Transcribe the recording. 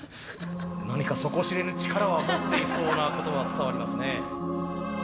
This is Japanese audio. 何か底知れぬ力は持っていそうなことは伝わりますね。